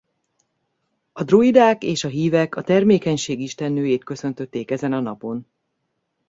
A druidák és a hívek a termékenység istennőjét köszöntötték ezen a napon.